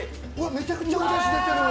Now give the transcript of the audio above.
めちゃくちゃおだし出てる。